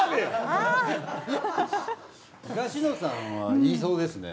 東野さんは言いそうですね。